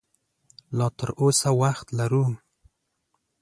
لا تراوسه وخت لرو